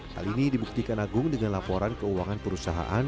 hal ini dibuktikan agung dengan laporan keuangan perusahaan